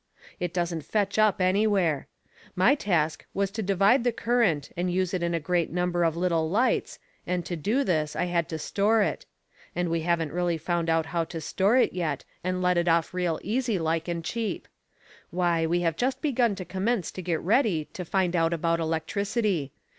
It doesn't fetch up anywhere. My task was to subdivide the current and use it in a great number of little lights, and to do this I had to store it. And we haven't really found out how to store it yet and let it off real easy like and cheap. Why, we have just begun to commence to get ready to find out about electricity.